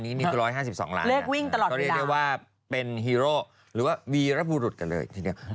เรียกวิ่งตลอดนี้เรียกว่าเป็นฮีโร่หรือว่าวีรับวุรุษกันเลยทีเดียว